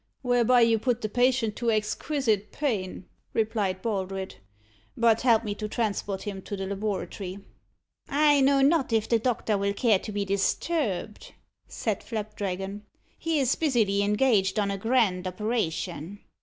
"Whereby you put the patient to exquisite pain," replied Baldred; "but help me to transport him to the laboratory." "I know not if the doctor will care to be disturbed," said Flapdragon. "He is busily engaged on a grand operation."